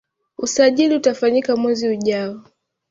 Usajili utafanyika mwezi ujao